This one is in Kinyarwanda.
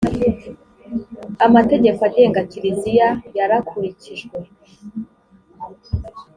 amategeko agenga kiliziya yarakurikijwe